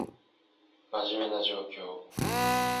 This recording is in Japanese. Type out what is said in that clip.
真面目な状況